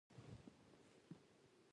انګېرنې فهمونه قران سنت اساس رامنځته شوې.